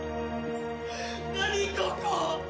何ここ！